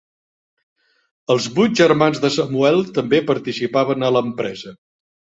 Els vuit germans de Samuel també participaven a l'empresa.